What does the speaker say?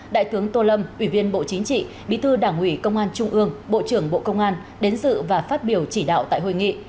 đại tướng tô lâm ủy viên bộ chính trị bí thư đảng ủy công an trung ương bộ trưởng bộ công an đến dự và phát biểu chỉ đạo tại hội nghị